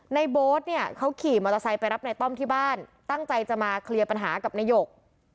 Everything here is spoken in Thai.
โบ๊ทเนี่ยเขาขี่มอเตอร์ไซค์ไปรับนายต้อมที่บ้านตั้งใจจะมาเคลียร์ปัญหากับนายก